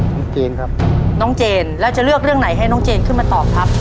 เจนครับน้องเจนแล้วจะเลือกเรื่องไหนให้น้องเจนขึ้นมาตอบครับ